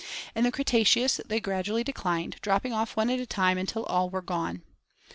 In the Cretaceous they gradually declined, dropping off one at a time until all were gone.